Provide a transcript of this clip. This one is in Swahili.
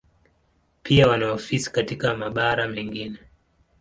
Pia wana ofisi katika mabara mengine.